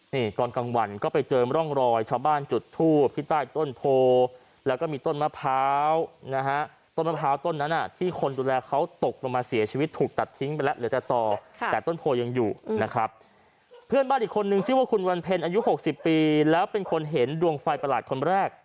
นี่ก่อนกลางวันก็ไปเจอร่องรอยชาวบ้านจุดทูบที่ใต้ต้นโพแล้วก็มีต้นมะพร้าวนะฮะ